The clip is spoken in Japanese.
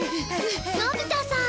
のび太さん